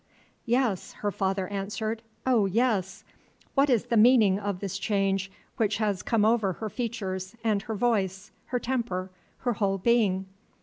"Yes," her father answered, "oh, yes! What is the meaning of this change which has come over her features, and her voice, her temper, her whole being?